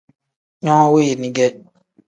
No weni ge.